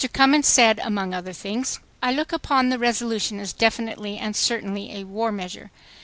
Cummins said, among other things: "... I look upon the resolution as definitely and certainly a war measure.